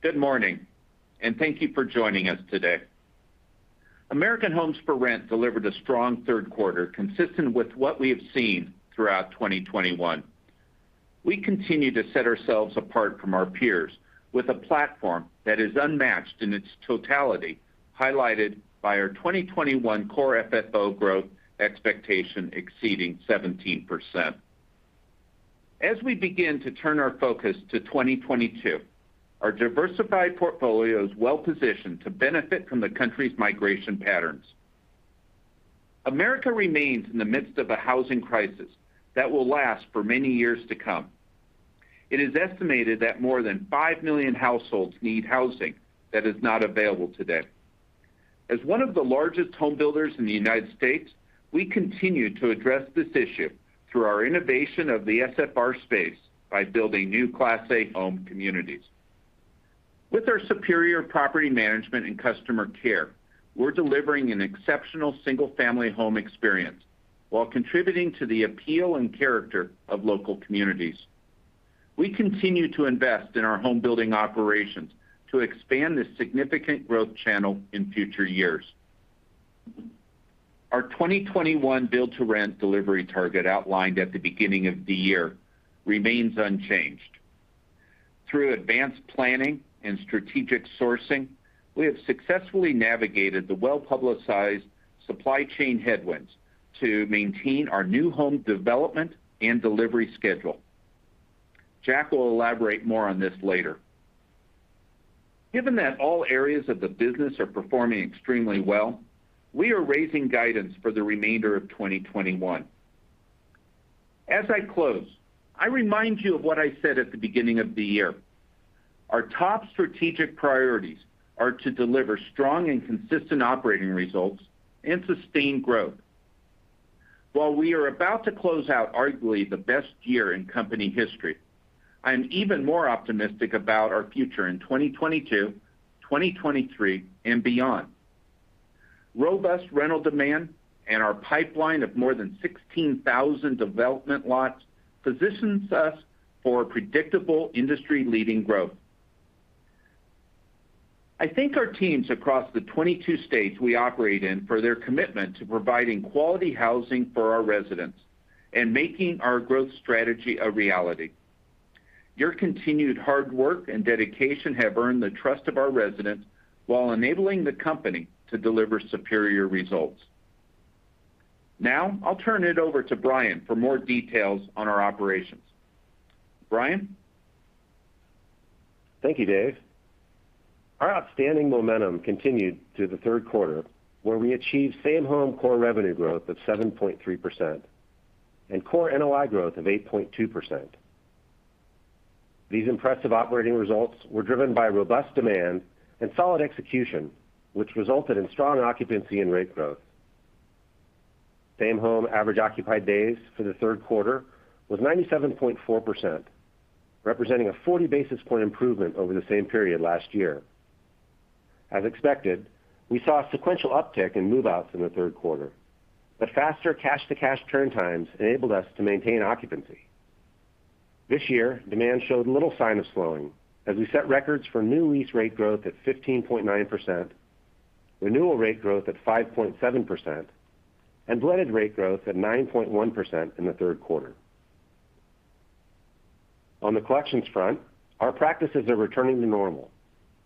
Good morning, and thank you for joining us today. American Homes 4 Rent delivered a strong third quarter consistent with what we have seen throughout 2021. We continue to set ourselves apart from our peers with a platform that is unmatched in its totality, highlighted by our 2021 Core FFO growth expectation exceeding 17%. As we begin to turn our focus to 2022, our diversified portfolio is well-positioned to benefit from the country's migration patterns. America remains in the midst of a housing crisis that will last for many years to come. It is estimated that more than five million households need housing that is not available today. As one of the largest home builders in the United States, we continue to address this issue through our innovation of the SFR space by building new Class A home communities. With our superior property management and customer care, we're delivering an exceptional single-family home experience while contributing to the appeal and character of local communities. We continue to invest in our home building operations to expand this significant growth channel in future years. Our 2021 build-to-rent delivery target outlined at the beginning of the year remains unchanged. Through advanced planning and strategic sourcing, we have successfully navigated the well-publicized supply chain headwinds to maintain our new home development and delivery schedule. Jack will elaborate more on this later. Given that all areas of the business are performing extremely well, we are raising guidance for the remainder of 2021. As I close, I remind you of what I said at the beginning of the year. Our top strategic priorities are to deliver strong and consistent operating results and sustain growth. While we are about to close out arguably the best year in company history, I am even more optimistic about our future in 2022, 2023, and beyond. Robust rental demand and our pipeline of more than 16,000 development lots positions us for predictable industry-leading growth. I thank our teams across the 22 states we operate in for their commitment to providing quality housing for our residents and making our growth strategy a reality. Your continued hard work and dedication have earned the trust of our residents while enabling the company to deliver superior results. Now, I'll turn it over to Bryan for more details on our operations. Bryan? Thank you, Dave. Our outstanding momentum continued through the third quarter, where we achieved same home core revenue growth of 7.3% and Core NOI growth of 8.2%. These impressive operating results were driven by robust demand and solid execution, which resulted in strong occupancy and rate growth. Same home average occupied days for the third quarter was 97.4%, representing a 40 basis point improvement over the same period last year. As expected, we saw a sequential uptick in move-outs in the third quarter, but faster cash-to-cash turn times enabled us to maintain occupancy. This year, demand showed little sign of slowing as we set records for new lease rate growth at 15.9%, renewal rate growth at 5.7%, and blended rate growth at 9.1% in the third quarter. On the collections front, our practices are returning to normal,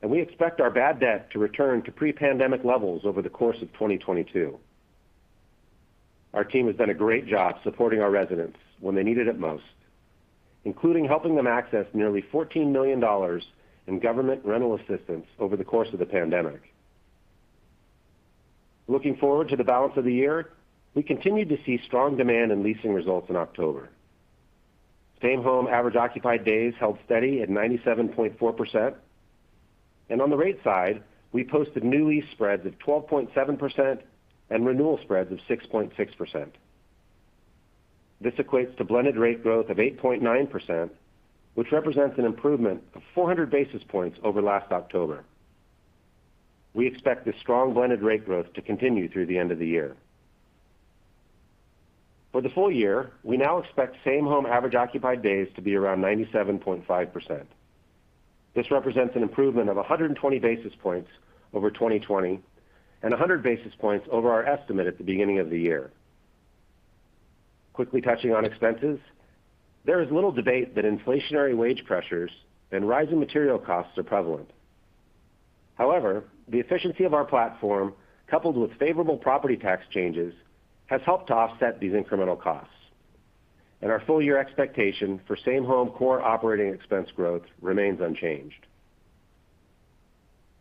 and we expect our bad debt to return to pre-pandemic levels over the course of 2022. Our team has done a great job supporting our residents when they needed it most, including helping them access nearly $14 million in government rental assistance over the course of the pandemic. Looking forward to the balance of the year, we continued to see strong demand in leasing results in October. Same-home average occupied days held steady at 97.4%. On the rate side, we posted new lease spreads of 12.7% and renewal spreads of 6.6%. This equates to blended rate growth of 8.9%, which represents an improvement of 400 basis points over last October. We expect this strong blended rate growth to continue through the end of the year. For the full-year, we now expect same-home average occupied days to be around 97.5%. This represents an improvement of 120 basis points over 2020 and 100 basis points over our estimate at the beginning of the year. Quickly touching on expenses, there is little debate that inflationary wage pressures and rising material costs are prevalent. However, the efficiency of our platform, coupled with favorable property tax changes, has helped to offset these incremental costs, and our full-year expectation for same-home Core operating expense growth remains unchanged.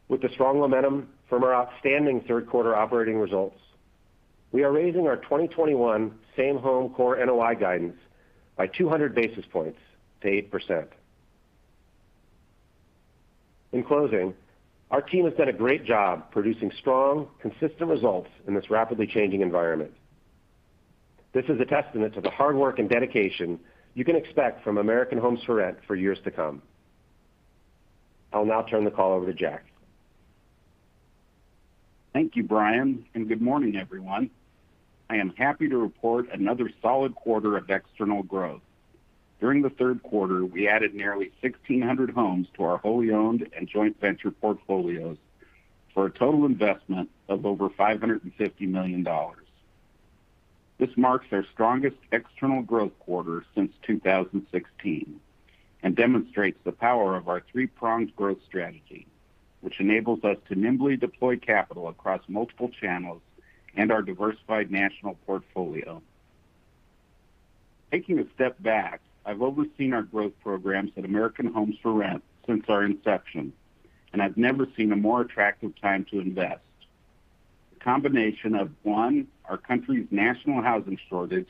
With the strong momentum from our outstanding third quarter operating results, we are raising our 2021 same-home Core NOI guidance by 200 basis points to 8%. In closing, our team has done a great job producing strong, consistent results in this rapidly changing environment. This is a testament to the hard work and dedication you can expect from American Homes 4 Rent for years to come. I'll now turn the call over to Jack. Thank you, Bryan, and good morning everyone. I am happy to report another solid quarter of external growth. During the third quarter, we added nearly 1,600 homes to our wholly owned and joint venture portfolios for a total investment of over $550 million. This marks our strongest external growth quarter since 2016, and demonstrates the power of our three-pronged growth strategy, which enables us to nimbly deploy capital across multiple channels and our diversified national portfolio. Taking a step back, I've overseen our growth programs at American Homes 4 Rent since our inception, and I've never seen a more attractive time to invest. The combination of, one, our country's national housing shortage,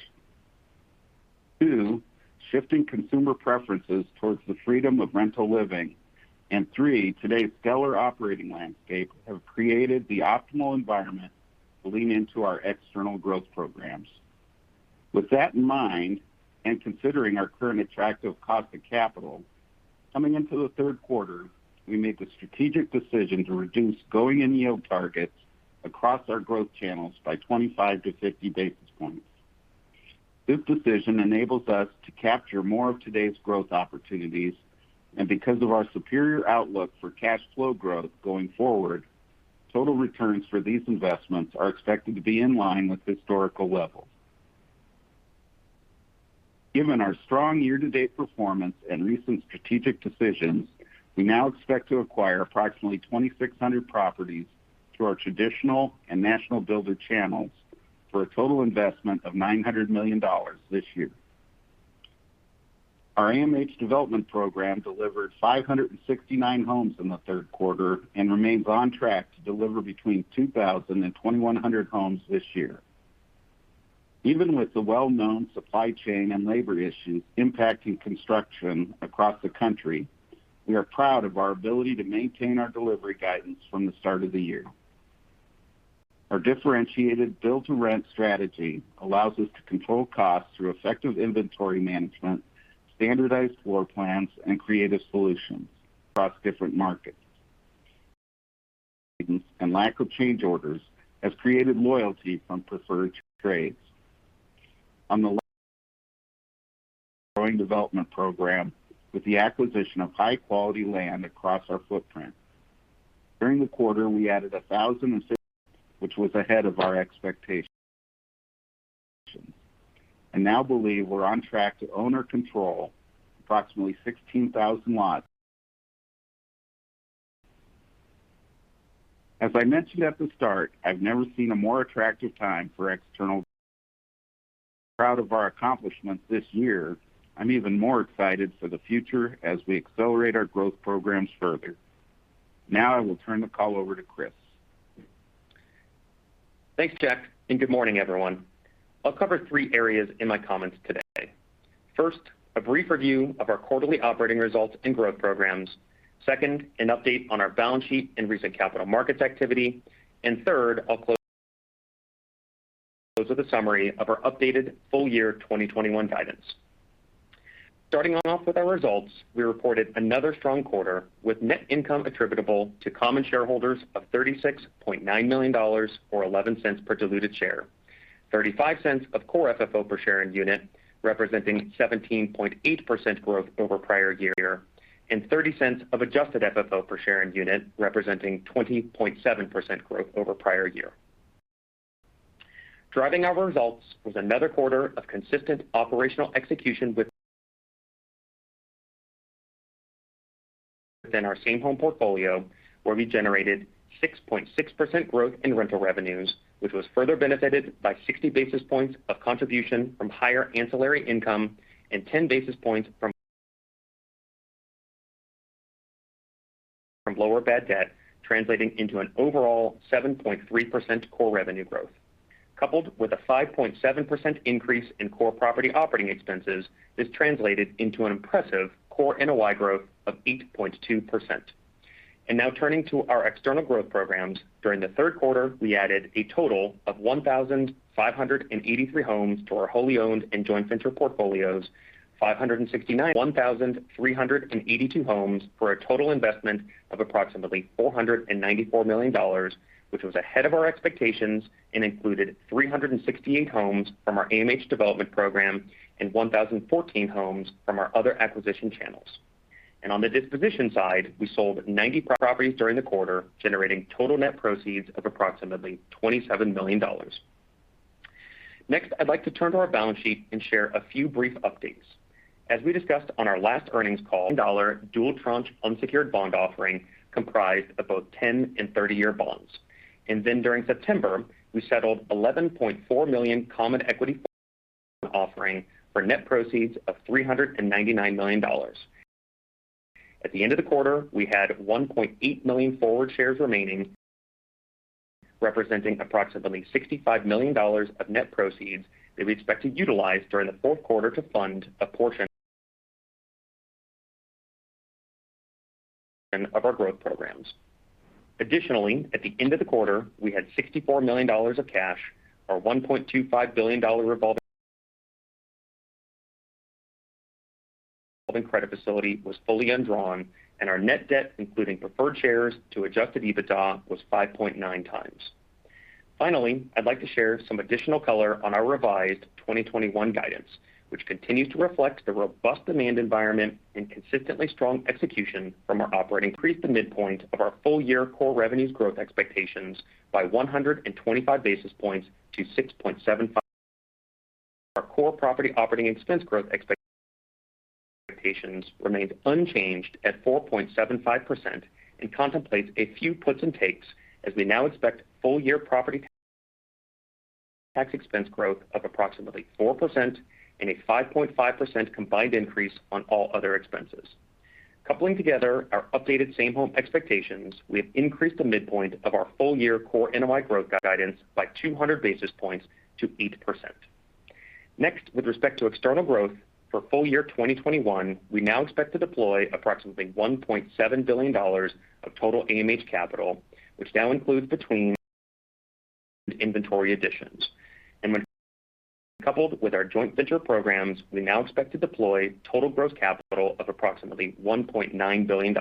two, shifting consumer preferences towards the freedom of rental living, and three, today's stellar operating landscape have created the optimal environment to lean into our external growth programs. With that in mind, and considering our current attractive cost of capital, coming into the third quarter, we made the strategic decision to reduce going-in yield targets across our growth channels by 25-50 basis points. This decision enables us to capture more of today's growth opportunities. Because of our superior outlook for cash flow growth going forward, total returns for these investments are expected to be in line with historical levels. Given our strong year-to-date performance and recent strategic decisions, we now expect to acquire approximately 2,600 properties through our traditional and national builder channels for a total investment of $900 million this year. Our AMH Development program delivered 569 homes in the third quarter and remains on track to deliver between 2,000-2,100 homes this year. Even with the well-known supply chain and labor issues impacting construction across the country, we are proud of our ability to maintain our delivery guidance from the start of the year. Our differentiated build-to-rent strategy allows us to control costs through effective inventory management, standardized floor plans, and creative solutions across different markets. Lack of change orders has created loyalty from preferred trades. On the growing development program, with the acquisition of high-quality land across our footprint. During the quarter, we added 1,006, which was ahead of our expectations. Now we believe we're on track to own or control approximately 16,000 lots. As I mentioned at the start, I've never seen a more attractive time for external. Proud of our accomplishments this year. I'm even more excited for the future as we accelerate our growth programs further. Now I will turn the call over to Chris. Thanks, Jack, and good morning, everyone. I'll cover three areas in my comments today. First, a brief review of our quarterly operating results and growth programs. Second, an update on our balance sheet and recent capital markets activity. Third, I'll close with a summary of our updated full-year 2021 guidance. Starting off with our results, we reported another strong quarter with net income attributable to common shareholders of $36.9 million, or $0.11 per diluted share, $0.35 of Core FFO per share and unit, representing 17.8% year-over-year growth, and $0.30 of adjusted FFO per share and unit, representing 20.7% year-over-year growth. Driving our results was another quarter of consistent operational execution within our same-home portfolio, where we generated 6.6% growth in rental revenues, which was further benefited by 60 basis points of contribution from higher ancillary income and 10 basis points from lower bad debt, translating into an overall 7.3% core revenue growth. Coupled with a 5.7% increase in core property operating expenses, this translated into an impressive Core NOI growth of 8.2%. Now turning to our external growth programs. During the third quarter, we added a total of 1,583 homes to our wholly owned and joint venture portfolios, 1,382 homes for a total investment of approximately $494 million, which was ahead of our expectations and included 368 homes from our AMH Development program and 1,014 homes from our other acquisition channels. On the disposition side, we sold 90 properties during the quarter, generating total net proceeds of approximately $27 million. Next, I'd like to turn to our balance sheet and share a few brief updates. As we discussed on our last earnings call, dollar dual tranche unsecured bond offering comprised of both 10 and 30 year bonds. During September, we settled 11.4 million common equity offering for net proceeds of $399 million. At the end of the quarter, we had 1.8 million forward shares remaining, representing approximately $65 million of net proceeds that we expect to utilize during the fourth quarter to fund a portion of our growth programs. Additionally, at the end of the quarter, we had $64 million of cash, our $1.25 billion revolving credit facility was fully undrawn, and our net debt, including preferred shares to adjusted EBITDA, was 5.9x. Finally, I'd like to share some additional color on our revised 2021 guidance, which continues to reflect the robust demand environment and consistently strong execution from our operating team. We increase the midpoint of our full-year core revenues growth expectations by 125 basis points to 6.75%. Our core property operating expense growth expectations remained unchanged at 4.75% and contemplates a few puts and takes as we now expect full-year property tax expense growth of approximately 4% and a 5.5% combined increase on all other expenses. Coupling together our updated same-home expectations, we have increased the midpoint of our full-year Core NOI growth guidance by 200 basis points to 8%. Next, with respect to external growth for full-year 2021, we now expect to deploy approximately $1.7 billion of total AMH capital, which now includes inventory additions. When coupled with our joint venture programs, we now expect to deploy total gross capital of approximately $1.9 billion.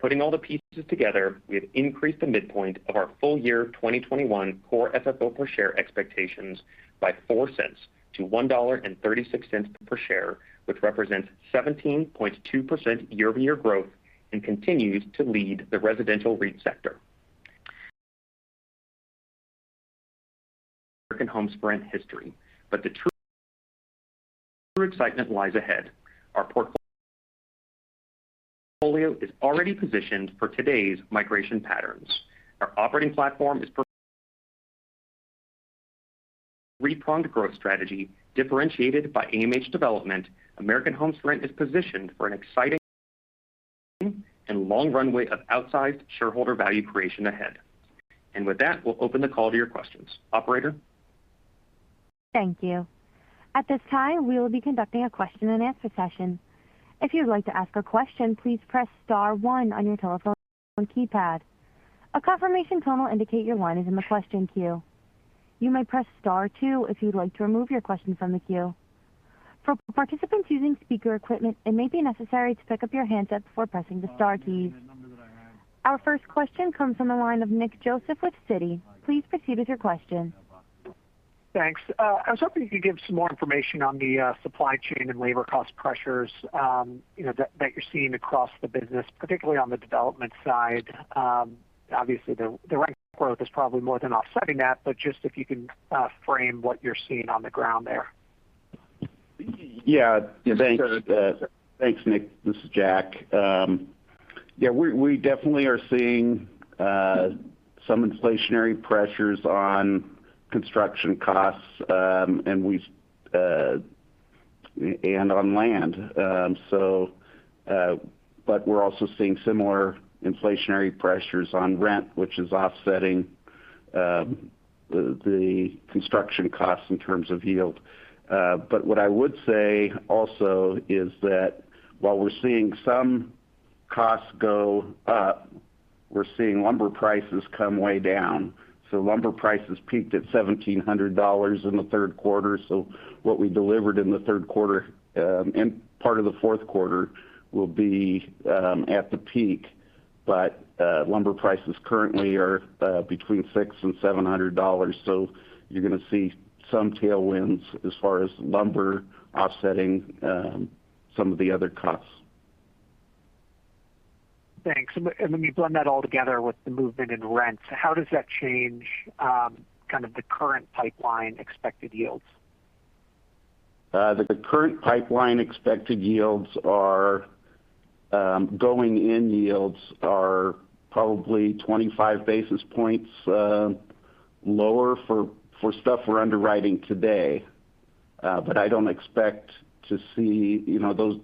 Putting all the pieces together, we have increased the midpoint of our full-year 2021 core FFO per share expectations by $0.04 to $1.36 per share, which represents 17.2% year-over-year growth and continues to lead the residential REIT sector in American Homes 4 Rent history. The true excitement lies ahead. Our portfolio is already positioned for today's migration patterns. Our operating platform is perfect. Three-pronged growth strategy differentiated by AMH development. American Homes 4 Rent is positioned for an exciting and long runway of outsized shareholder value creation ahead. With that, we'll open the call to your questions. Operator. Thank you. At this time, we will be conducting a question-and-answer session. If you'd like to ask a question, please press star one on your telephone keypad. A confirmation tone will indicate your line is in the question queue. You may press star two if you'd like to remove your question from the queue. For participants using speaker equipment, it may be necessary to pick up your handset before pressing the star key. Our first question comes from the line of Nick Joseph with Citi. Please proceed with your question. Thanks. I was hoping you could give some more information on the supply chain and labor cost pressures, you know, that you're seeing across the business, particularly on the development side. Obviously the rent growth is probably more than offsetting that, but just if you can frame what you're seeing on the ground there. Thanks, Nick. This is Jack. We definitely are seeing some inflationary pressures on construction costs and on land. We're also seeing similar inflationary pressures on rent, which is offsetting the construction costs in terms of yield. What I would say also is that while we're seeing some costs go up, we're seeing lumber prices come way down. Lumber prices peaked at $1,700 in the third quarter. What we delivered in the third quarter and part of the fourth quarter will be at the peak. Lumber prices currently are between $600 and $700. You're going to see some tailwinds as far as lumber offsetting some of the other costs. Thanks. When you blend that all together with the movement in rents, how does that change, kind of the current pipeline expected yields? The current pipeline expected yields are going in yields are probably 25 basis points lower for stuff we're underwriting today. I don't expect to see you know those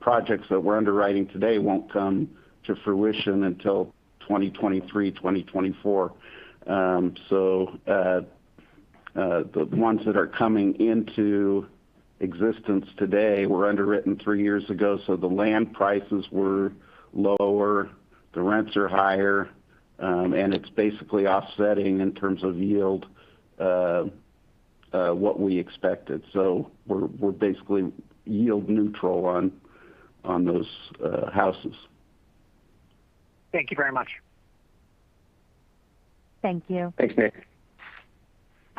projects that we're underwriting today won't come to fruition until 2023, 2024. The ones that are coming into existence today were underwritten three years ago, so the land prices were lower, the rents are higher, and it's basically offsetting in terms of yield what we expected. We're basically yield neutral on those houses. Thank you very much. Thank you.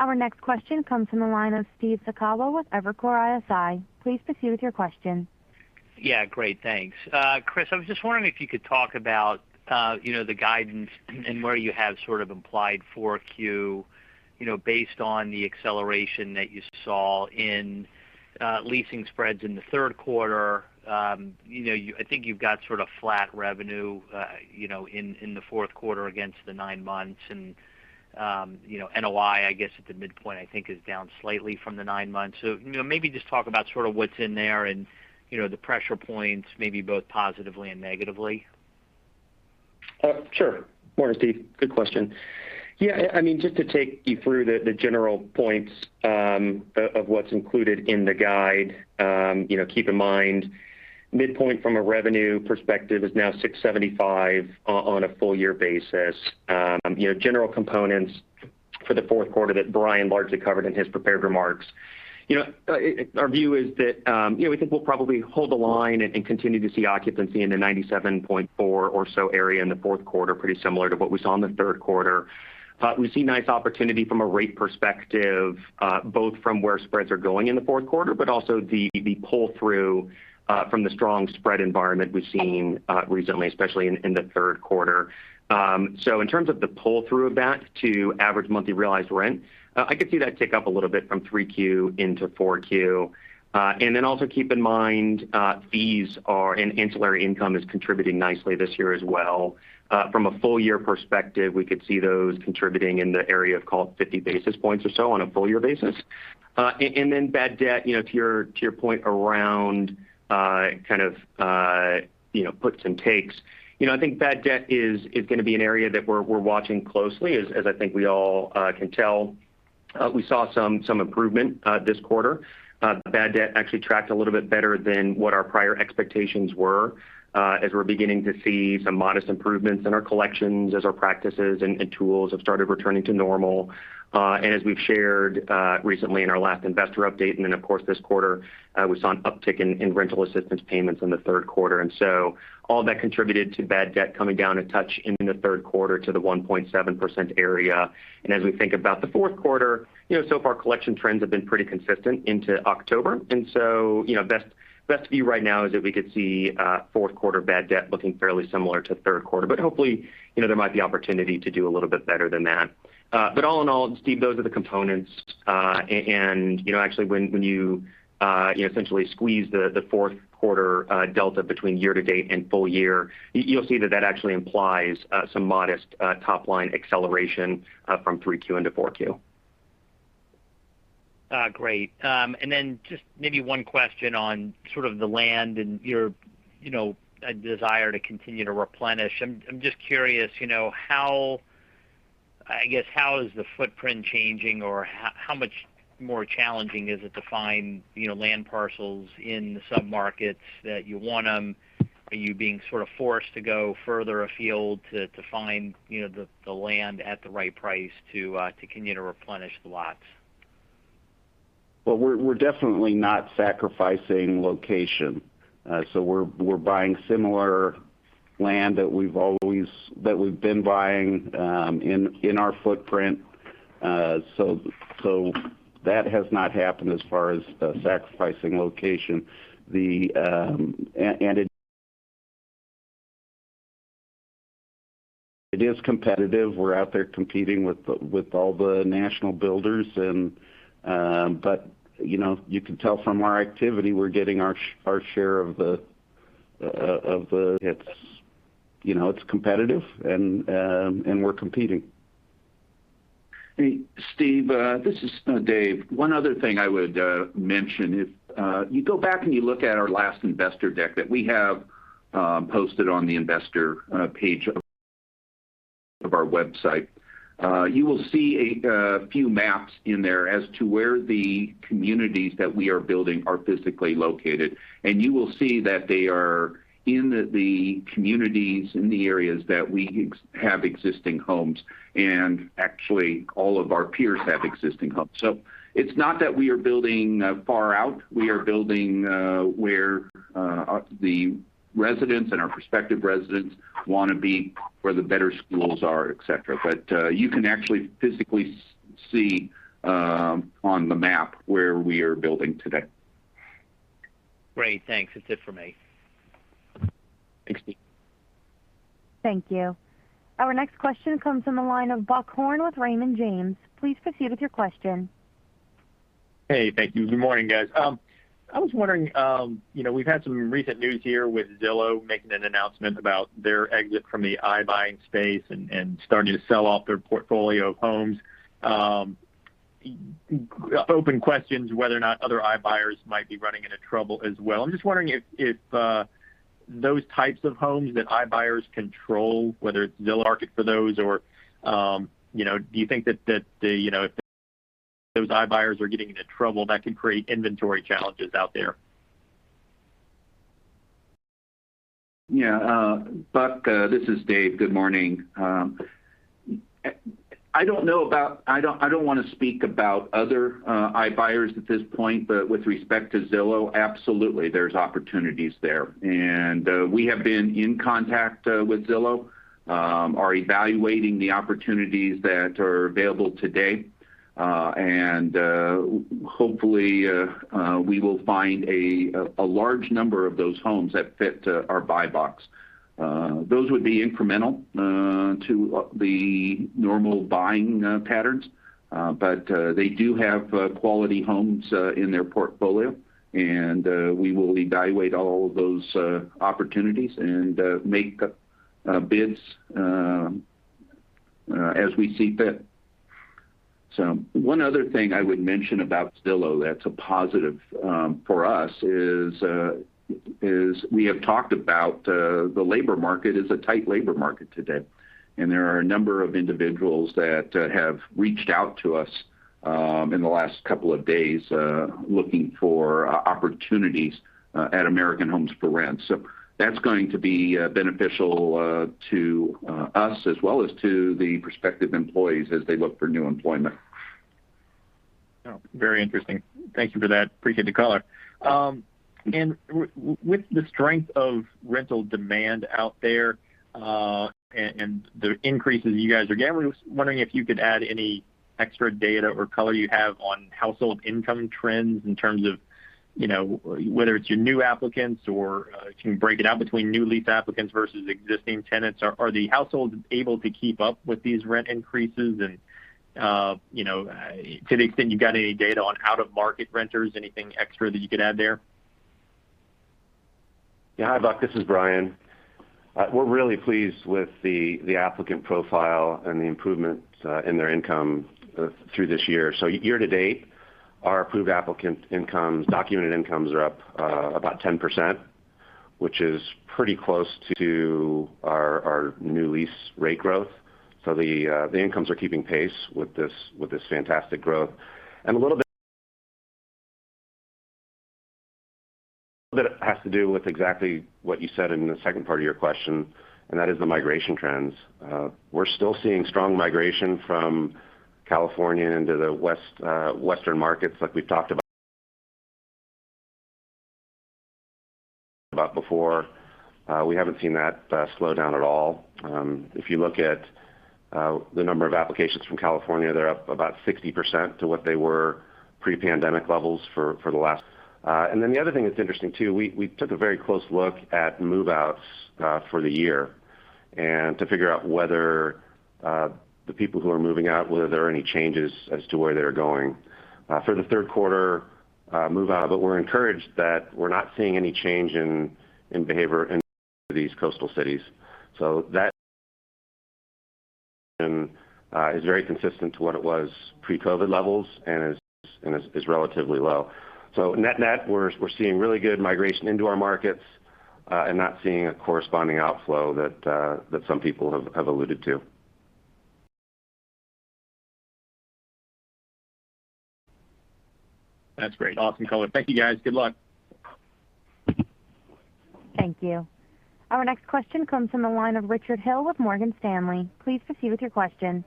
Thanks, Nick. Our next question comes from the line of Steve Sakwa with Evercore ISI. Please proceed with your question. Yeah. Great. Thanks. Chris, I was just wondering if you could talk about, you know, the guidance and where you have sort of implied Q4, you know, based on the acceleration that you saw in leasing spreads in the third quarter. You know, I think you've got sort of flat revenue, you know, in the fourth quarter against the nine months. You know, NOI, I guess, at the midpoint, I think, is down slightly from the nine months. You know, maybe just talk about sort of what's in there and, you know, the pressure points, maybe both positively and negatively. Sure. Morning, Steve. Good question. Yeah, I mean, just to take you through the general points of what's included in the guide, you know, keep in mind, midpoint from a revenue perspective is now $675 on a full-year basis. You know, general components For the fourth quarter that Bryan largely covered in his prepared remarks. You know, our view is that, you know, we think we'll probably hold the line and continue to see occupancy in the 97.4% or so area in the fourth quarter, pretty similar to what we saw in the third quarter. We see nice opportunity from a rate perspective, both from where spreads are going in the fourth quarter, but also the pull through from the strong spread environment we've seen recently, especially in the third quarter. In terms of the pull through of that to average monthly realized rent, I could see that tick up a little bit from Q3 into Q4. Keep in mind, fees and ancillary income are contributing nicely this year as well. From a full-year perspective, we could see those contributing in the area of call it 50 basis points or so on a full-year basis. Then bad debt, you know, to your point around kind of, you know, puts and takes. You know, I think bad debt is going to be an area that we're watching closely. As I think we all can tell, we saw some improvement this quarter. Bad debt actually tracked a little bit better than what our prior expectations were, as we're beginning to see some modest improvements in our collections as our practices and tools have started returning to normal. As we've shared recently in our last investor update, and then of course, this quarter, we saw an uptick in rental assistance payments in the third quarter. All that contributed to bad debt coming down a touch in the third quarter to the 1.7% area. As we think about the fourth quarter, you know, so far, collection trends have been pretty consistent into October. You know, best view right now is that we could see fourth quarter bad debt looking fairly similar to third quarter, but hopefully, you know, there might be opportunity to do a little bit better than that. All in all, Steve, those are the components. You know, actually, when you essentially squeeze the fourth quarter delta between year-to-date and full-year, you'll see that actually implies some modest top line acceleration from Q3 into Q4. Great. Just maybe one question on sort of the land and your, you know, desire to continue to replenish. I'm just curious, you know, how, I guess, how is the footprint changing or how much more challenging is it to find, you know, land parcels in the submarkets that you want them? Are you being sort of forced to go further afield to find, you know, the land at the right price to continue to replenish the lots? Well, we're definitely not sacrificing location. We're buying similar land that we've been buying in our footprint. That has not happened as far as sacrificing location. It is competitive. We're out there competing with all the national builders, but you know, you can tell from our activity, we're getting our share of the. It's, you know, competitive and we're competing. Steve, this is Dave. One other thing I would mention. If you go back and you look at our last investor deck that we have posted on the investor page of our website, you will see a few maps in there as to where the communities that we are building are physically located. You will see that they are in the communities, in the areas that we have existing homes, and actually all of our peers have existing homes. It's not that we are building far out. We are building where the residents and our prospective residents want to be, where the better schools are, et cetera. You can actually physically see on the map where we are building today. Great. Thanks. That's it for me. Thanks, Steve. Thank you. Our next question comes from the line of Buck Horne with Raymond James. Please proceed with your question. Hey, thank you. Good morning, guys. I was wondering, you know, we've had some recent news here with Zillow making an announcement about their exit from the iBuying space and starting to sell off their portfolio of homes. There are open questions whether or not other i-buyers might be running into trouble as well. I'm just wondering if those types of homes that i-buyers control, whether it's Zillow or market for those or, you know, do you think that, you know, if those i-buyers are getting into trouble, that could create inventory challenges out there? Yeah, Buck, this is Dave. Good morning. I don't want to speak about other i-buyers at this point, but with respect to Zillow, absolutely, there's opportunities there. We have been in contact with Zillow, are evaluating the opportunities that are available today, and hopefully we will find a large number of those homes that fit our buy box. Those would be incremental to the normal buying patterns, but they do have quality homes in their portfolio, and we will evaluate all of those opportunities and make bids as we see fit. One other thing I would mention about Zillow that's a positive for us is we have talked about the labor market is a tight labor market today, and there are a number of individuals that have reached out to us. In the last couple of days, looking for opportunities at American Homes 4 Rent. That's going to be beneficial to us as well as to the prospective employees as they look for new employment. Oh, very interesting. Thank you for that. Appreciate the color. With the strength of rental demand out there, and the increases you guys are getting, I was wondering if you could add any extra data or color you have on household income trends in terms of, you know, whether it's your new applicants or, can you break it out between new lease applicants versus existing tenants? Are the households able to keep up with these rent increases? You know, to the extent you've got any data on out-of-market renters, anything extra that you could add there? Yeah. Hi, Buck. This is Bryan. We're really pleased with the applicant profile and the improvements in their income through this year. Year-to-date, our approved applicant incomes, documented incomes are up about 10%, which is pretty close to our new lease rate growth. The incomes are keeping pace with this fantastic growth. A little bit that has to do with exactly what you said in the second part of your question, and that is the migration trends. We're still seeing strong migration from California into the western markets like we've talked about before. We haven't seen that slow down at all. If you look at the number of applications from California, they're up about 60% to what they were pre-pandemic levels for the last... The other thing that's interesting too, we took a very close look at move-outs for the year and to figure out whether the people who are moving out were there any changes as to where they're going. For the third quarter move out, but we're encouraged that we're not seeing any change in behavior in these coastal cities. That is very consistent to what it was pre-COVID levels and is relatively low. Net-net, we're seeing really good migration into our markets and not seeing a corresponding outflow that some people have alluded to. That's great. Awesome color. Thank you, guys. Good luck. Thank you. Our next question comes from the line of Richard Hill with Morgan Stanley. Please proceed with your question.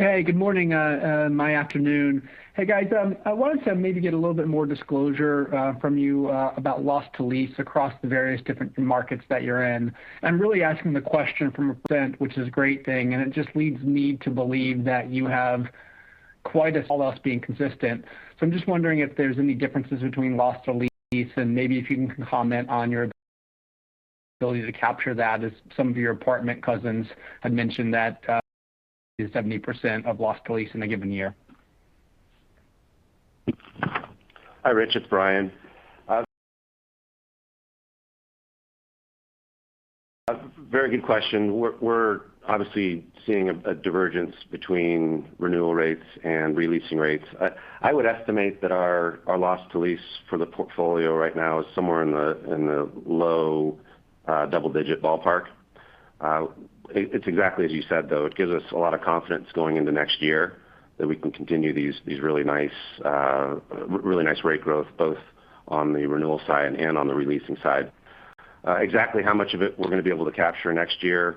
Hey, good morning, my afternoon. Hey, guys. I wanted to maybe get a little bit more disclosure from you about loss to lease across the various different markets that you're in. I'm really asking the question from a percent, which is a great thing, and it just leads me to believe that you have quite as all else being consistent. I'm just wondering if there's any differences between loss to lease and maybe if you can comment on your ability to capture that, as some of your apartment cousins had mentioned that, 70% of loss to lease in a given year. Hi, Rich. It's Bryan. Very good question. We're obviously seeing a divergence between renewal rates and re-leasing rates. I would estimate that our loss to lease for the portfolio right now is somewhere in the low double digit ballpark. It's exactly as you said, though. It gives us a lot of confidence going into next year that we can continue these really nice rate growth both on the renewal side and on the re-leasing side. Exactly how much of it we're gonna be able to capture next year,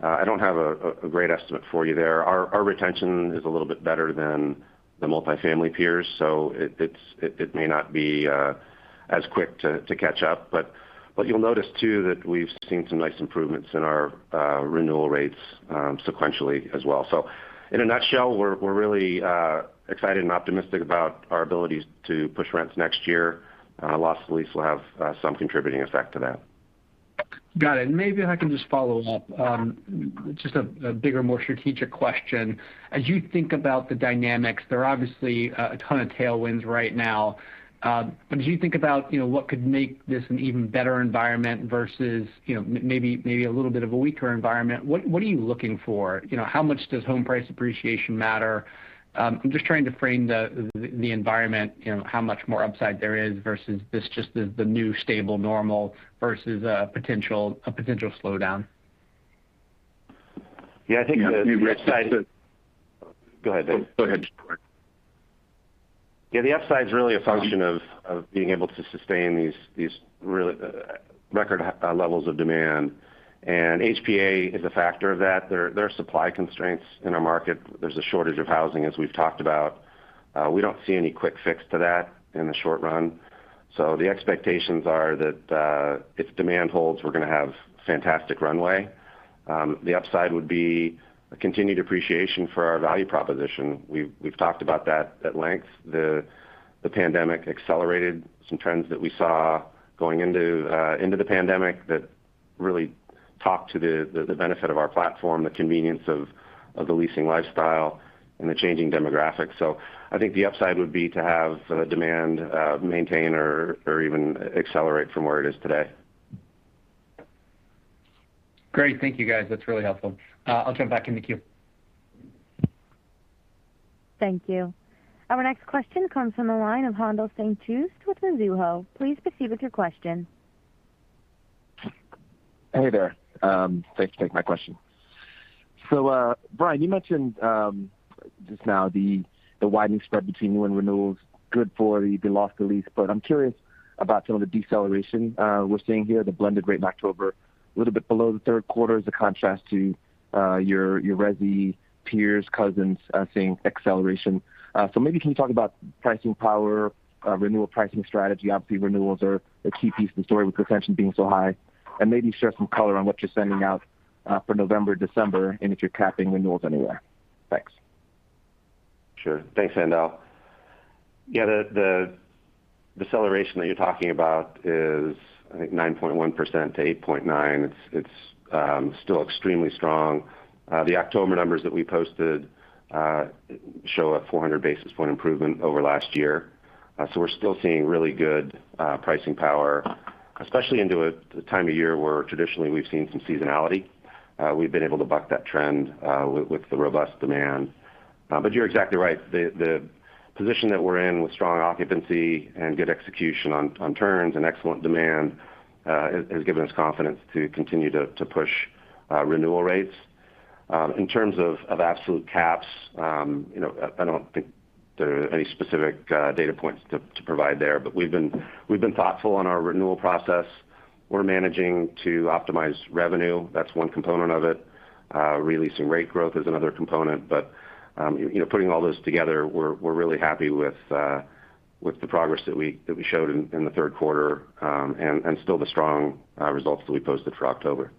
I don't have a great estimate for you there. Our retention is a little bit better than the multifamily peers, so it may not be as quick to catch up. You'll notice too that we've seen some nice improvements in our renewal rates sequentially as well. In a nutshell, we're really excited and optimistic about our ability to push rents next year. Loss to lease will have some contributing effect to that. Got it. Maybe if I can just follow up, just a bigger, more strategic question. As you think about the dynamics, there are obviously a ton of tailwinds right now. But as you think about, you know, what could make this an even better environment versus, you know, maybe a little bit of a weaker environment, what are you looking for? You know, how much does home price appreciation matter? I'm just trying to frame the environment, you know, how much more upside there is versus this just is the new stable normal versus a potential slowdown. Yeah. I think the upside. Go ahead. Go ahead. Yeah, the upside is really a function of being able to sustain these really record levels of demand. HPA is a factor of that. There are supply constraints in our market. There's a shortage of housing, as we've talked about. We don't see any quick fix to that in the short run. The expectations are that if demand holds, we're gonna have fantastic runway. The upside would be a continued appreciation for our value proposition. We've talked about that at length. The pandemic accelerated some trends that we saw going into the pandemic that really talked to the benefit of our platform, the convenience of the leasing lifestyle and the changing demographics. I think the upside would be to have demand maintain or even accelerate from where it is today. Great. Thank you, guys. That's really helpful. I'll jump back in the queue. Thank you. Our next question comes from the line of Haendel St. Juste with Mizuho. Please proceed with your question. Hey there. Thanks for taking my question. Bryan, you mentioned just now the widening spread between new and renewals, good for the loss to lease. I'm curious about some of the deceleration we're seeing here, the blended rate in October a little bit below the third quarter as a contrast to your resi peers, cousins seeing acceleration. Maybe can you talk about pricing power, renewal pricing strategy? Obviously, renewals are a key piece of the story with retention being so high. Maybe share some color on what you're sending out for November, December, and if you're capping renewals anywhere. Thanks. Sure. Thanks, Haendel. Yeah, the deceleration that you're talking about is, I think, 9.1%-8.9%. It's still extremely strong. The October numbers that we posted show a 400 basis point improvement over last year. So we're still seeing really good pricing power, especially into the time of year where traditionally we've seen some seasonality. We've been able to buck that trend with the robust demand. But you're exactly right. The position that we're in with strong occupancy and good execution on turns and excellent demand has given us confidence to continue to push renewal rates. In terms of absolute caps, you know, I don't think there are any specific data points to provide there. We've been thoughtful on our renewal process. We're managing to optimize revenue. That's one component of it. Releasing rate growth is another component. You know, putting all those together, we're really happy with the progress that we showed in the third quarter, and still the strong results that we posted for October.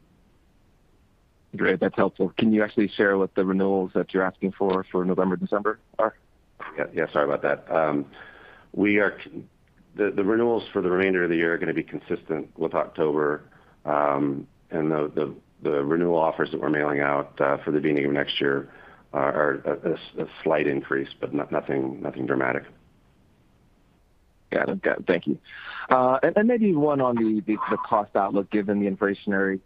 Great. That's helpful. Can you actually share what the renewals that you're asking for November, December are? Yeah, sorry about that. The renewals for the remainder of the year are gonna be consistent with October. The renewal offers that we're mailing out for the beginning of next year are a slight increase, but nothing dramatic. Got it. Thank you. Maybe one on the cost outlook given the inflationary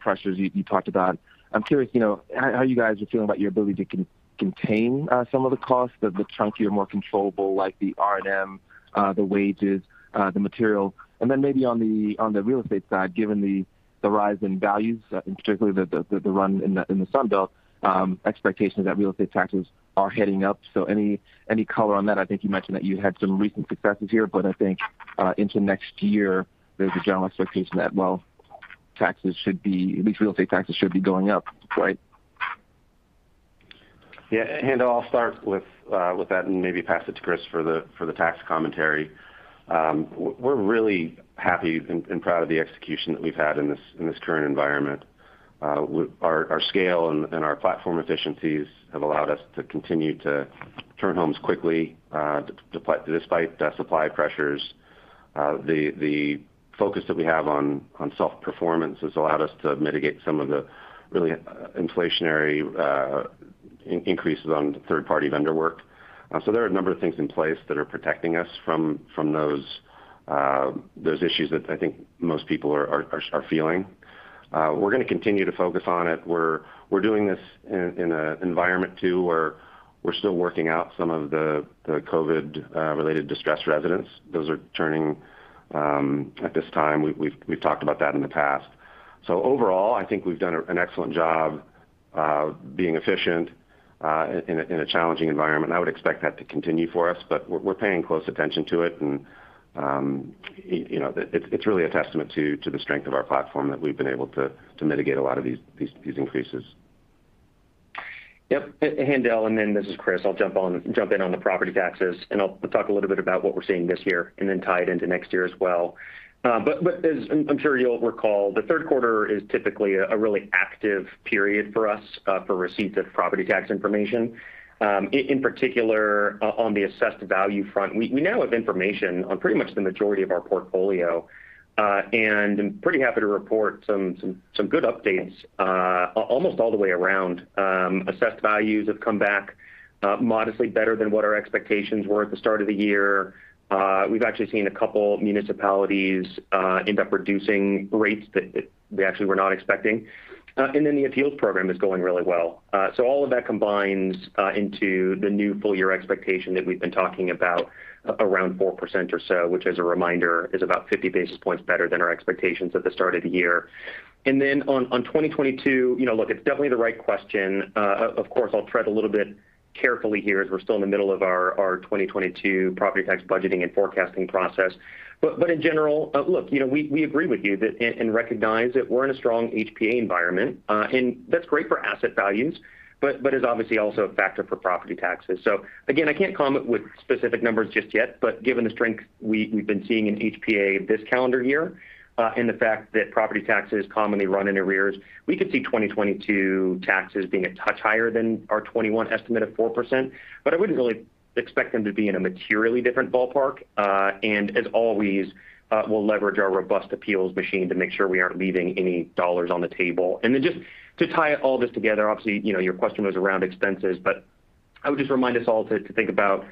pressures you talked about. I'm curious, you know, how you guys are feeling about your ability to contain some of the costs, the chunkier, more controllable, like the R&M, the wages, the material. Then maybe on the real estate side, given the rise in values and particularly the run in the Sun Belt, expectations that real estate taxes are heading up. Any color on that? I think you mentioned that you had some recent successes here, but I think into next year, there's a general expectation that, well, taxes should be at least real estate taxes should be going up, right? Yeah. Haendel, I'll start with that and maybe pass it to Chris for the tax commentary. We're really happy and proud of the execution that we've had in this current environment. Our scale and our platform efficiencies have allowed us to continue to turn homes quickly despite the supply pressures. The focus that we have on self-performance has allowed us to mitigate some of the really inflationary increases on third-party vendor work. So there are a number of things in place that are protecting us from those issues that I think most people are feeling. We're gonna continue to focus on it. We're doing this in an environment too, where we're still working out some of the COVID-related distressed residents. Those are turning at this time. We've talked about that in the past. Overall, I think we've done an excellent job being efficient in a challenging environment. I would expect that to continue for us, but we're paying close attention to it. You know, it's really a testament to the strength of our platform that we've been able to mitigate a lot of these increases. Yep. Haendel, and then this is Chris. I'll jump in on the property taxes, and I'll talk a little bit about what we're seeing this year and then tie it into next year as well. As I'm sure you'll recall, the third quarter is typically a really active period for us, for receipts of property tax information. In particular, on the assessed value front, we now have information on pretty much the majority of our portfolio, and I'm pretty happy to report some good updates, almost all the way around. Assessed values have come back, modestly better than what our expectations were at the start of the year. We've actually seen a couple municipalities end up reducing rates that we actually were not expecting. The appeals program is going really well. All of that combines into the new full-year expectation that we've been talking about around 4% or so, which as a reminder, is about 50 basis points better than our expectations at the start of the year. On 2022, you know, look, it's definitely the right question. Of course, I'll tread a little bit carefully here as we're still in the middle of our 2022 property tax budgeting and forecasting process. In general, look, you know, we agree with you that and recognize that we're in a strong HPA environment, and that's great for asset values, but is obviously also a factor for property taxes. Again, I can't comment with specific numbers just yet, but given the strength we've been seeing in HPA this calendar year, and the fact that property taxes commonly run in arrears, we could see 2022 taxes being a touch higher than our 2021 estimate of 4%. I wouldn't really expect them to be in a materially different ballpark. As always, we'll leverage our robust appeals machine to make sure we aren't leaving any dollars on the table. Just to tie all this together, obviously, you know, your question was around expenses, but I would just remind us all to think about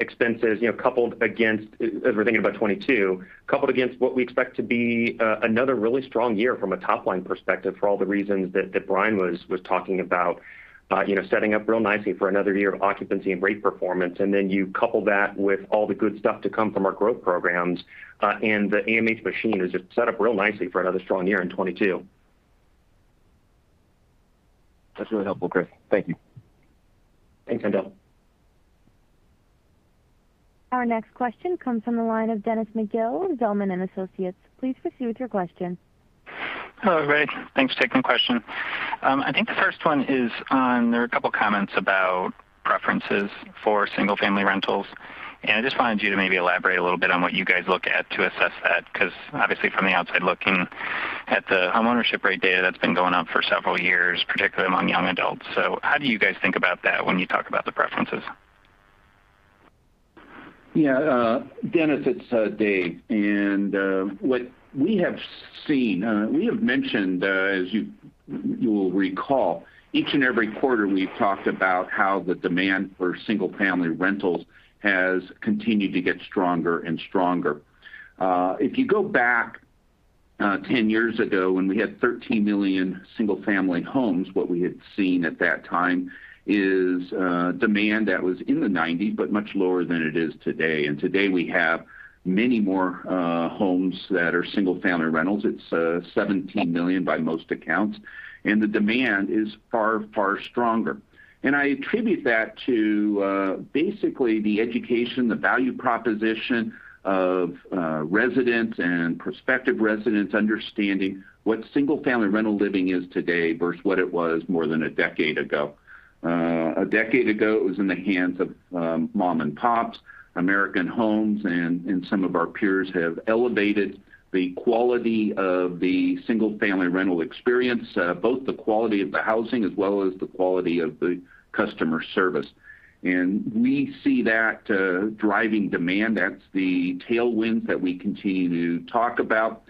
expenses, you know, coupled against as we're thinking about 2022, coupled against what we expect to be another really strong year from a top-line perspective for all the reasons that Bryan was talking about, you know, setting up real nicely for another year of occupancy and rate performance. You couple that with all the good stuff to come from our growth programs, and the AMH machine is just set up real nicely for another strong year in 2022. That's really helpful, Chris. Thank you. Thanks, Haendel. Our next question comes from the line of Dennis McGill, Zelman & Associates. Please proceed with your question. Hello, Greg. Thanks for taking the question. I think the first one is there are a couple comments about preferences for single-family rentals, and I just wanted you to maybe elaborate a little bit on what you guys look at to assess that. Because obviously from the outside looking at the homeownership rate data that's been going up for several years, particularly among young adults. How do you guys think about that when you talk about the preferences? Dennis, it's Dave. What we have seen, we have mentioned, as you will recall, each and every quarter, we've talked about how the demand for single-family rentals has continued to get stronger and stronger. If you go back 10 years ago when we had 13 million single-family homes, what we had seen at that time is demand that was in the 90, but much lower than it is today. Today we have many more homes that are single-family rentals. It's 17 million by most accounts, and the demand is far, far stronger. I attribute that to basically the education, the value proposition of residents and prospective residents understanding what single-family rental living is today versus what it was more than a decade ago. A decade ago, it was in the hands of mom and pops. American Homes and some of our peers have elevated the quality of the single-family rental experience, both the quality of the housing as well as the quality of the customer service. We see that driving demand. That's the tailwind that we continue to talk about.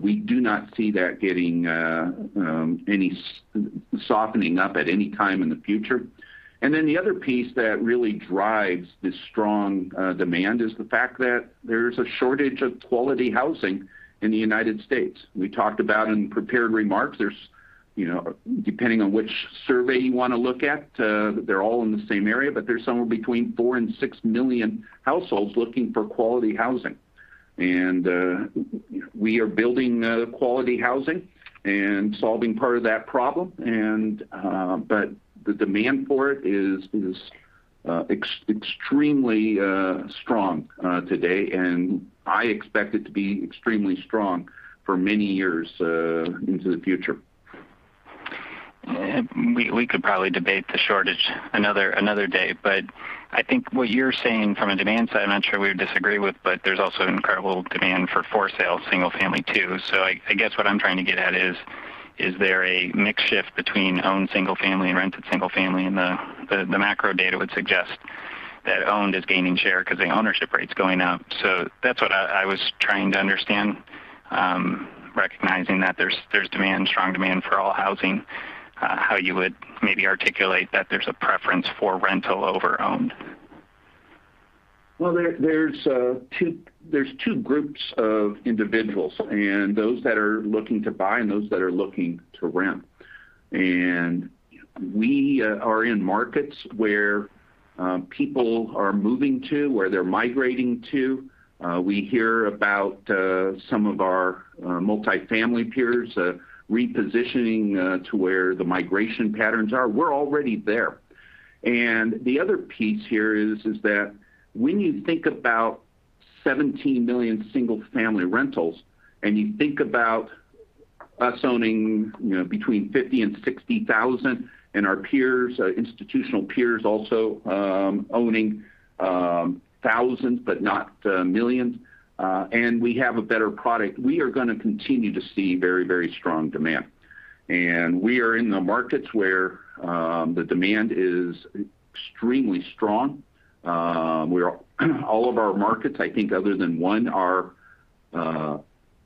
We do not see that getting any softening up at any time in the future. Then the other piece that really drives this strong demand is the fact that there's a shortage of quality housing in the United States. We talked about in prepared remarks, there's, you know, depending on which survey you want to look at, they're all in the same area, but there's somewhere between four and six million households looking for quality housing. We are building quality housing and solving part of that problem, but the demand for it is extremely strong today, and I expect it to be extremely strong for many years into the future. We could probably debate the shortage another day. I think what you're saying from a demand side, I'm not sure we would disagree with, but there's also an incredible demand for for-sale single family too. I guess what I'm trying to get at is there a mix shift between owned single family and rented single family? The macro data would suggest that owned is gaining share because the ownership rate's going up. That's what I was trying to understand, recognizing that there's demand, strong demand for all housing, how you would maybe articulate that there's a preference for rental over owned. Well, there are two groups of individuals and those that are looking to buy and those that are looking to rent. We are in markets where people are moving to, where they're migrating to. We hear about some of our multifamily peers repositioning to where the migration patterns are. We're already there. The other piece here is that when you think about 17 million single-family rentals, and you think about us owning, you know, between 50,000 and 60,000, and our peers, institutional peers also, owning thousands but not millions, and we have a better product. We are gonna continue to see very, very strong demand. We are in the markets where the demand is extremely strong. All of our markets, I think other than one, are where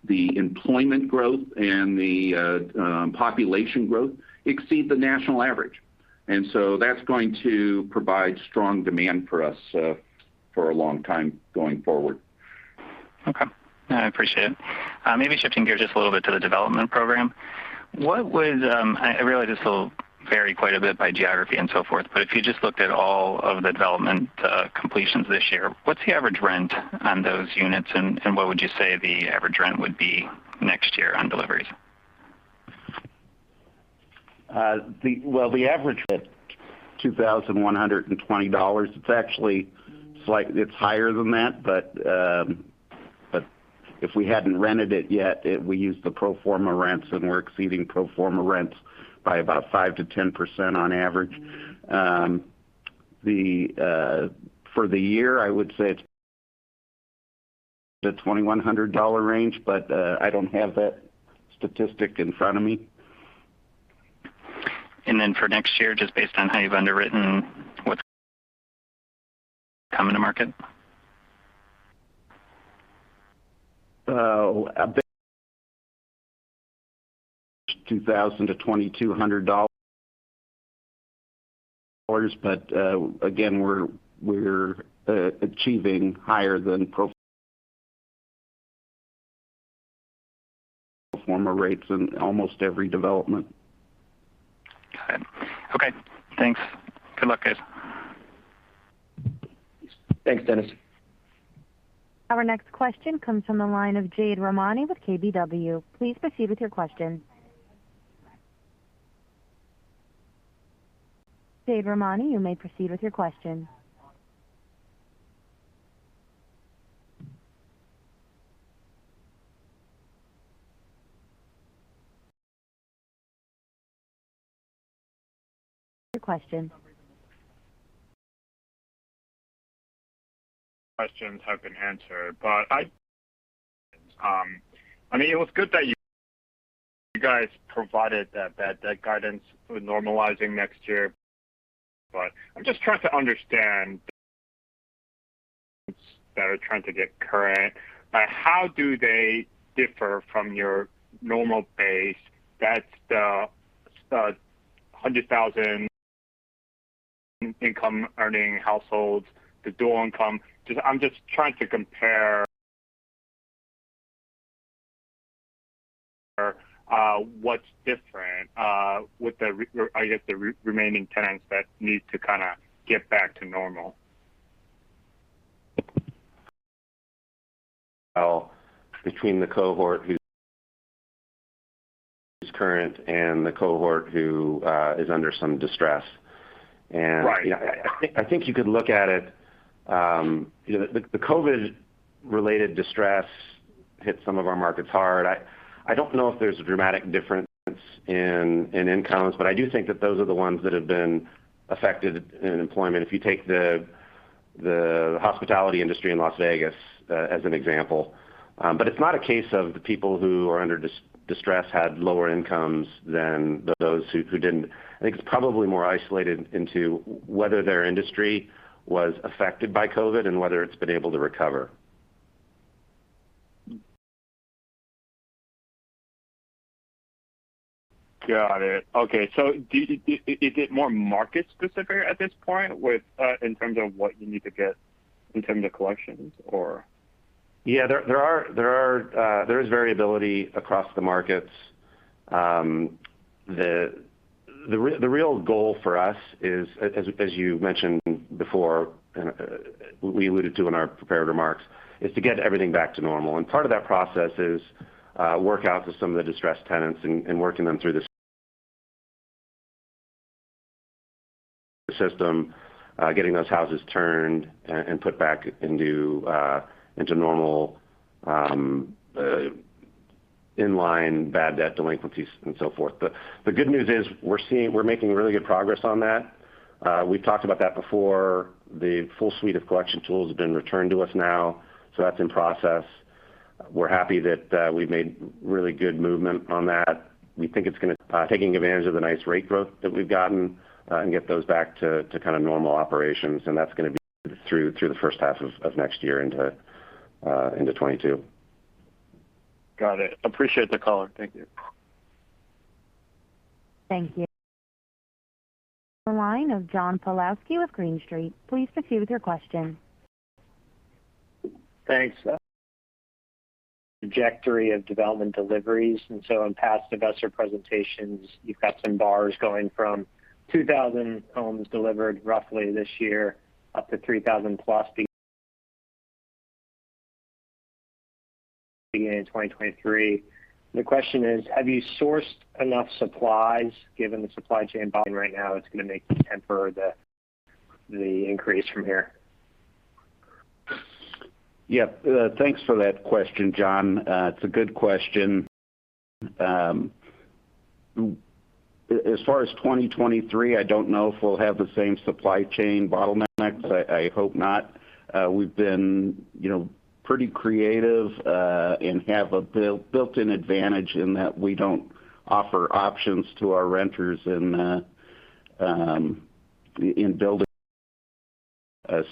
the employment growth and the population growth exceed the national average. That's going to provide strong demand for us for a long time going forward. Okay. I appreciate it. Maybe shifting gears just a little bit to the development program. I realize this will vary quite a bit by geography and so forth, but if you just looked at all of the development completions this year, what's the average rent on those units, and what would you say the average rent would be next year on deliveries? The average at $2,120. It's actually higher than that. But if we hadn't rented it yet, we use the pro forma rents, and we're exceeding pro forma rents by about 5%-10% on average. For the year, I would say it's the $2,100 range, but I don't have that statistic in front of me. For next year, just based on how you've underwritten, what's coming to market? About $2,000-$2,200. Again, we're achieving higher than pro forma rates in almost every development. Got it. Okay, thanks. Good luck, guys. Thanks, Dennis. Our next question comes from the line of Jade Rahmani with KBW. Please proceed with your question. Jade Rahmani, you may proceed with your question. Your question. Questions have been answered. I mean, it was good that you guys provided that guidance with normalizing next year. I'm just trying to understand that we're trying to get current. How do they differ from your normal base? That's the 100,000 income earning households, the dual income. I'm just trying to compare what's different with the remaining tenants that need to kind of get back to normal. Well, between the cohort who's current and the cohort who is under some distress and Right. I think you could look at it. You know, the COVID-related distress hit some of our markets hard. I don't know if there's a dramatic difference in incomes, but I do think that those are the ones that have been affected in employment. If you take the hospitality industry in Las Vegas, as an example. It's not a case of the people who are under distress had lower incomes than those who didn't. I think it's probably more isolated into whether their industry was affected by COVID and whether it's been able to recover. Got it. Okay. Is it more market specific at this point with, in terms of what you need to get in terms of collections or? Yeah, there is variability across the markets. The real goal for us is, as you mentioned before, and we alluded to in our prepared remarks, is to get everything back to normal. Part of that process is working out some of the distressed tenants and working them through the system, getting those houses turned and put back into normal in line bad debt delinquencies and so forth. The good news is we're making really good progress on that. We've talked about that before. The full suite of collection tools have been returned to us now, so that's in process. We're happy that we've made really good movement on that. We think it's gonna taking advantage of the nice rate growth that we've gotten and get those back to kind of normal operations. That's gonna be through the first half of next year into 2022. Got it. Appreciate the call. Thank you. Thank you. The line of John Pawlowski with Green Street. Please proceed with your question. Thanks. Trajectory of development deliveries. In past investor presentations, you've got some bars going from 2,000 homes delivered roughly this year, up to 3,000+ beginning in 2023. The question is, have you sourced enough supplies given the supply chain bottleneck right now that's going to make you temper the increase from here? Yeah. Thanks for that question, John. It's a good question. As far as 2023, I don't know if we'll have the same supply chain bottlenecks. I hope not. We've been, you know, pretty creative, and have a built-in advantage in that we don't offer options to our renters in building.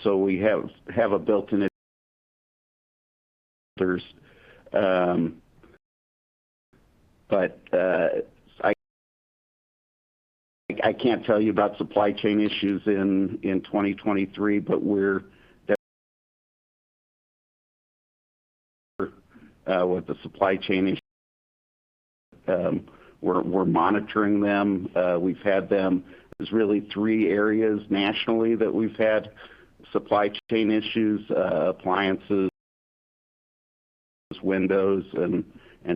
So we have a built-in advantage. But I can't tell you about supply chain issues in 2023, but we're definitely dealing with the supply chain issues. We're monitoring them. We've had them. There's really three areas nationally that we've had supply chain issues, appliances, windows and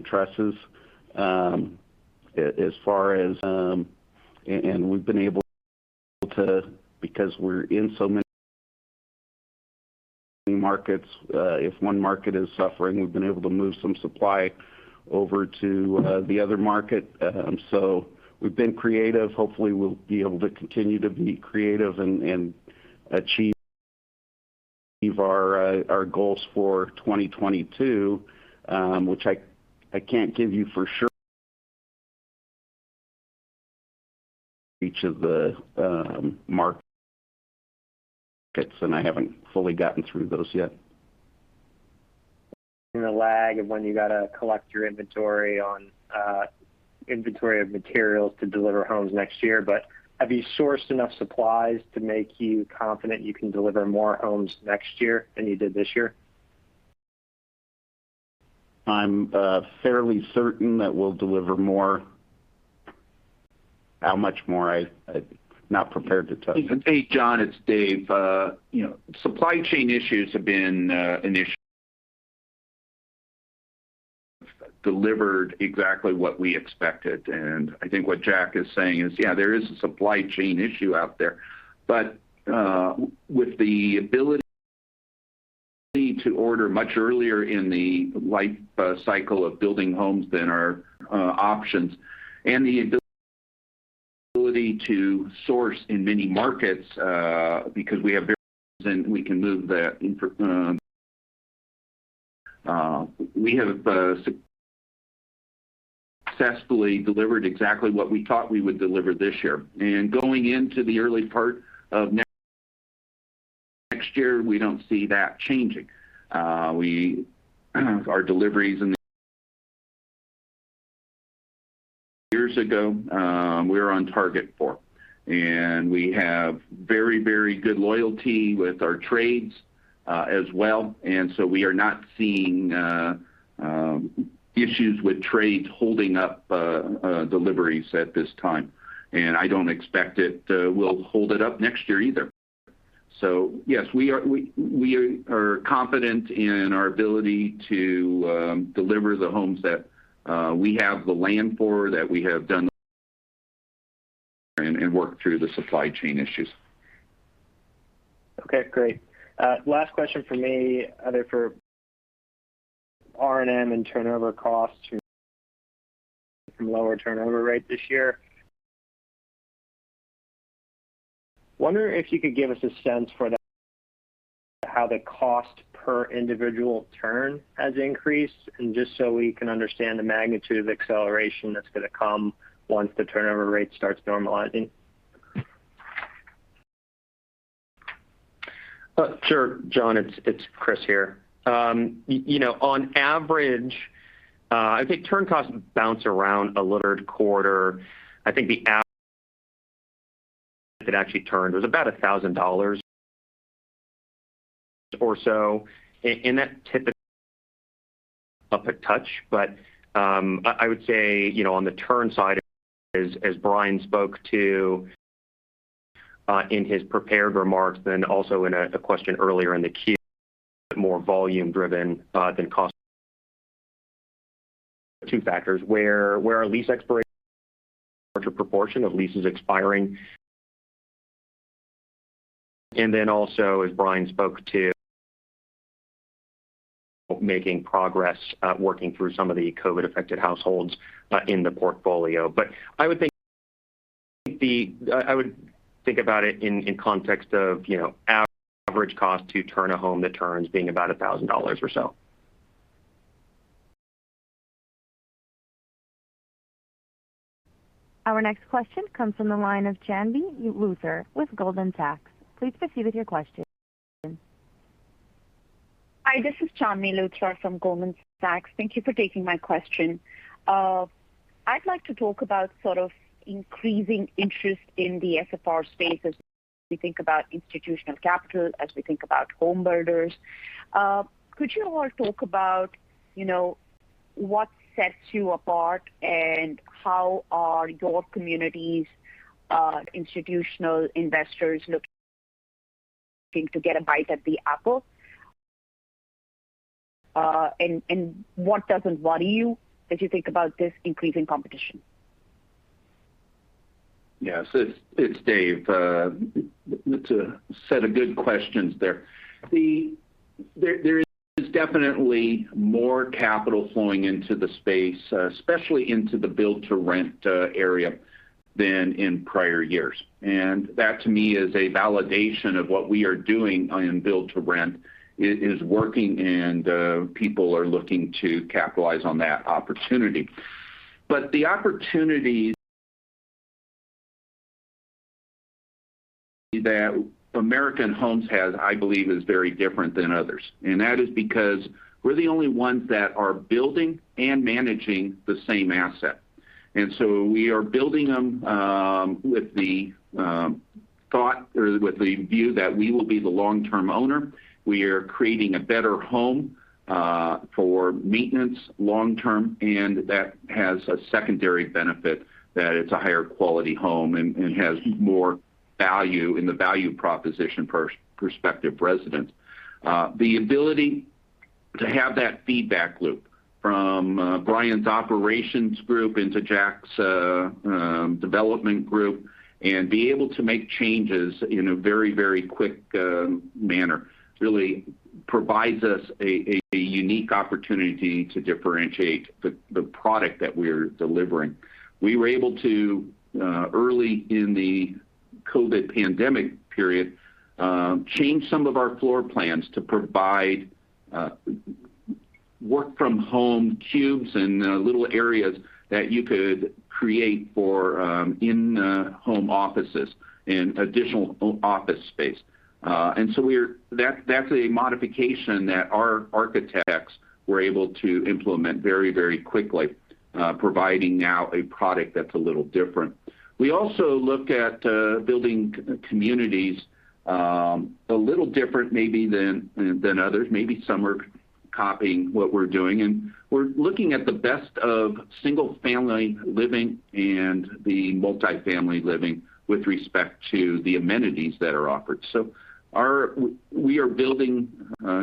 trusses. We've been able to because we're in so many markets, if one market is suffering, we've been able to move some supply over to the other market. We've been creative. Hopefully, we'll be able to continue to be creative and achieve our goals for 2022, which I can't give you for sure. Each of the markets, and I haven't fully gotten through those yet. In the lag of when you got to collect your inventory of materials to deliver homes next year. Have you sourced enough supplies to make you confident you can deliver more homes next year than you did this year? I'm fairly certain that we'll deliver more. How much more, I'm not prepared to tell you. Hey, John, it's Dave. You know, supply chain issues have been an issue. Delivered exactly what we expected. I think what Jack is saying is, yeah, there is a supply chain issue out there. With the ability to order much earlier in the life cycle of building homes than our options and the ability to source in many markets, we have successfully delivered exactly what we thought we would deliver this year. Going into the early part of next year, we don't see that changing. Our deliveries years ago, we're on target for. We have very good loyalty with our trades, as well. We are not seeing issues with trades holding up deliveries at this time. I don't expect it will hold it up next year either. Yes, we are confident in our ability to deliver the homes that we have the land for, that we have done and work through the supply chain issues. Okay, great. Last question for me, either for R&M and turnover costs from lower turnover rate this year. Wonder if you could give us a sense for how the cost per individual turn has increased, and just so we can understand the magnitude of acceleration that's going to come once the turnover rate starts normalizing. Sure. John, it's Chris here. You know, on average, I think turn costs bounce around a little quarter. I think the average it actually turned was about $1,000 or so. That is typically up a touch. I would say, you know, on the turn side, as Bryan spoke to in his prepared remarks, then also in a question earlier in the queue, more volume-driven than cost. Two factors where our lease expirations are a larger proportion of leases expiring. Then also, as Bryan spoke to, making progress working through some of the COVID-affected households in the portfolio. I would think about it in context of, you know, average cost to turn a home that turns being about $1,000 or so. Our next question comes from the line of Chandni Luthra with Goldman Sachs. Please proceed with your question. Hi, this is Chandni Luthra from Goldman Sachs. Thank you for taking my question. I'd like to talk about sort of increasing interest in the SFR space as we think about institutional capital, as we think about home builders. Could you all talk about, you know, what sets you apart and how are your communities, institutional investors looking to get a bite at the apple? And what doesn't worry you as you think about this increasing competition? Yes, it's Dave. It's a set of good questions there. There is definitely more capital flowing into the space, especially into the build-to-rent area than in prior years. That to me is a validation of what we are doing in build-to-rent is working, and people are looking to capitalize on that opportunity. The opportunity that American Homes has, I believe, is very different than others. That is because we're the only ones that are building and managing the same asset. We are building them with the thought or with the view that we will be the long-term owner. We are creating a better home for maintenance long term, and that has a secondary benefit that it's a higher quality home and has more value in the value proposition for prospective residents. The ability to have that feedback loop from Bryan's operations group into Jack's development group and be able to make changes in a very quick manner really provides us a unique opportunity to differentiate the product that we're delivering. We were able to early in the COVID pandemic period change some of our floor plans to provide work from home cubes and little areas that you could create for in-home offices and additional office space. That's a modification that our architects were able to implement very quickly, providing now a product that's a little different. We also look at building communities a little different maybe than others. Maybe some are copying what we're doing, and we're looking at the best of single family living and the multifamily living with respect to the amenities that are offered. We are building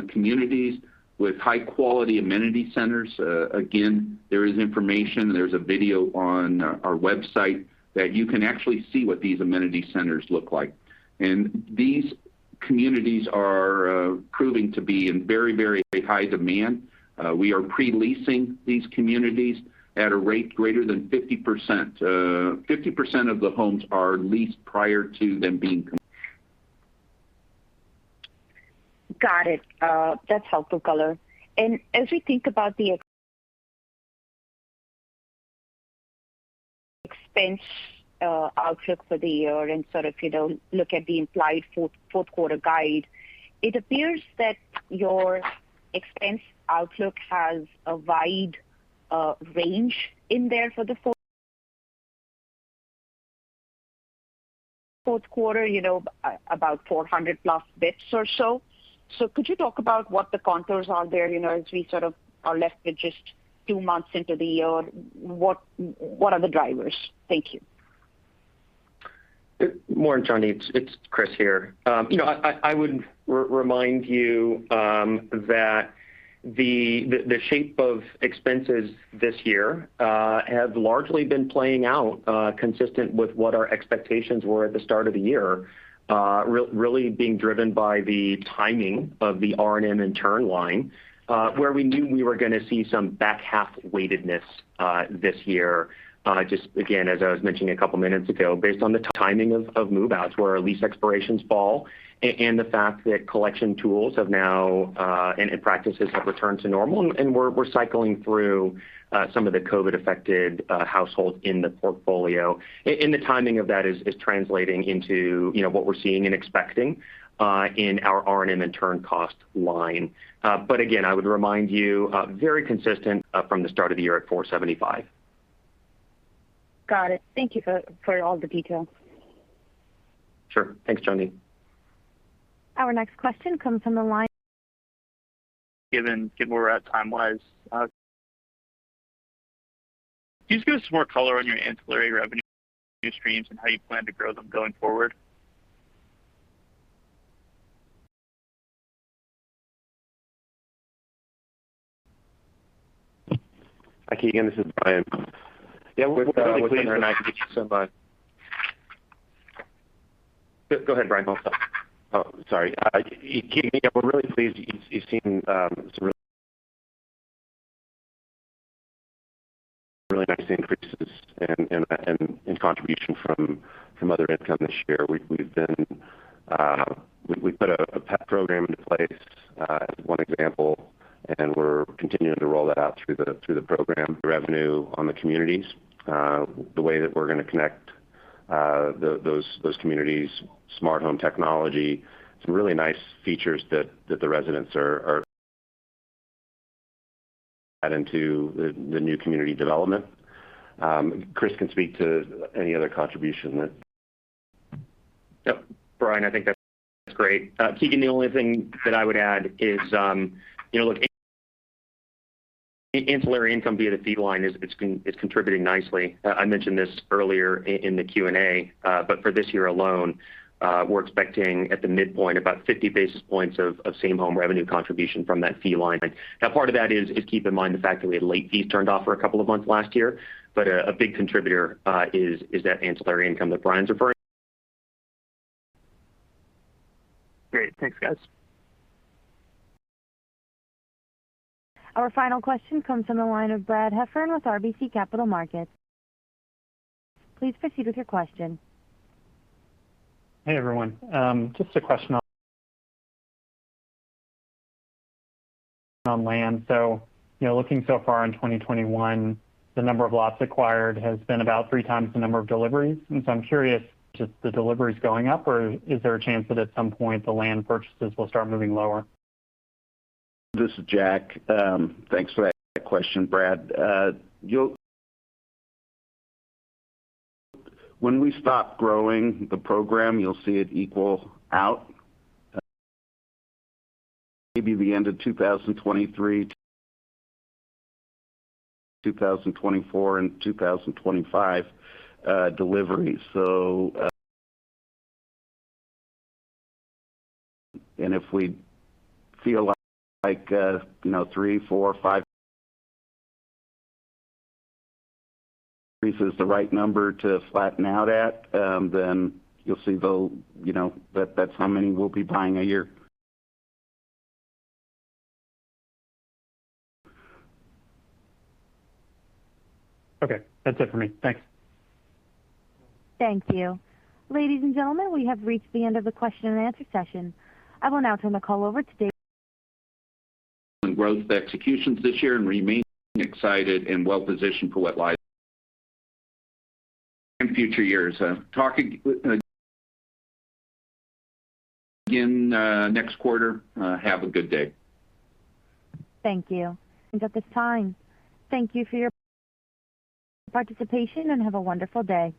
communities with high quality amenity centers. Again, there is information, there's a video on our website that you can actually see what these amenity centers look like. These communities are proving to be in very, very high demand. We are pre-leasing these communities at a rate greater than 50%. 50% of the homes are leased prior to them being completed. Got it. That's helpful color. As we think about the expense outlook for the year and sort of, you know, look at the implied fourth quarter guide, it appears that your expense outlook has a wide range in there for the fourth quarter, you know, about 400+ basis points or so. Could you talk about what the contours are there, you know, as we sort of are left with just two months left in the year? What are the drivers? Thank you. Morning, Chandni. It's Chris here. You know, I would remind you that the shape of expenses this year have largely been playing out consistent with what our expectations were at the start of the year. Really being driven by the timing of the R&M and turn line, where we knew we were gonna see some back half weightedness this year. Just again, as I was mentioning a couple minutes ago, based on the timing of move-outs where our lease expirations fall and the fact that collection tools have now and practices have returned to normal. We're cycling through some of the COVID-affected households in the portfolio. The timing of that is translating into, you know, what we're seeing and expecting in our R&M and turn cost line. Again, I would remind you, very consistent from the start of the year at $475. Got it. Thank you for all the details. Sure. Thanks, Chandni. Our next question comes from the line. Given where we're at time wise, can you just give us some more color on your ancillary revenue streams and how you plan to grow them going forward? Hi, Keegan. This is Bryan. Yeah. Go ahead, Bryan. I'll stop. Oh, sorry. Keegan, yeah, we're really pleased. You've seen some really nice increases in contribution from other income this year. We've put a pet program into place as one example, and we're continuing to roll that out through the program. Revenue on the communities, the way that we're gonna connect those communities' smart home technology, some really nice features that the residents are adding into the new community development. Chris can speak to any other contribution that... Yep. Bryan, I think that's great. Keegan, the only thing that I would add is, you know, look, ancillary income via the fee line is, it's contributing nicely. I mentioned this earlier in the Q&A, but for this year alone, we're expecting at the midpoint about 50 basis points of same-home revenue contribution from that fee line. Now, part of that is keep in mind the fact that we had late fees turned off for a couple of months last year, but a big contributor is that ancillary income that Bryan's referring. Great. Thanks, guys. Our final question comes from the line of Brad Heffern with RBC Capital Markets. Please proceed with your question. Hey, everyone. Just a question on land. You know, looking so far in 2021, the number of lots acquired has been about 3x the number of deliveries. I'm curious, just the deliveries going up or is there a chance that at some point the land purchases will start moving lower? This is Jack. Thanks for that question, Brad. When we stop growing the program, you'll see it even out. Maybe the end of 2023, 2024, and 2025 delivery. If we feel like, you know, three, four, five increases is the right number to flatten out at, then you'll see, you know, that's how many we'll be buying a year. Okay. That's it for me. Thanks. Thank you. Ladies and gentlemen, we have reached the end of the question-and-answer session. I will now turn the call over to Dave. Growth executions this year and remain excited and well positioned for what lies in future years. Talk again next quarter. Have a good day. Thank you. At this time, thank you for your participation and have a wonderful day.